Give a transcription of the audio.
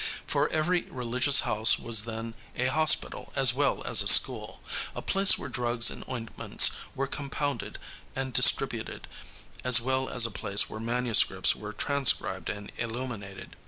For every religious house was then a hospital as well as a school, a place where drugs and ointments were compounded and distributed, as well as a place where manuscripts were transcribed and illuminated.